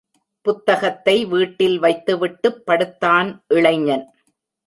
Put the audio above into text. புத்தகத்தை வீட்டில் வைத்துவிட்டுப் படுத்தான் இளைஞன்.